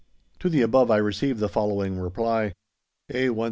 To the above I received the following reply: A/13780.